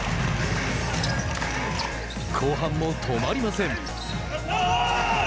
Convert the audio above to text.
後半も止まりません。